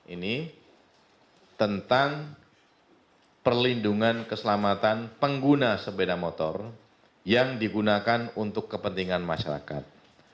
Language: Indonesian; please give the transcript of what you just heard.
ini tentang perlindungan keselamatan pengguna sepeda motor yang digunakan untuk kepentingan masyarakat